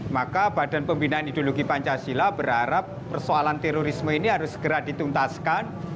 maka badan pembinaan ideologi pancasila berharap persoalan terorisme ini harus segera dituntaskan